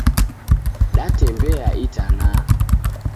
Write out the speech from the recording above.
Datembea itana